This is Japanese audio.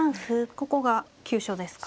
ここが急所ですか。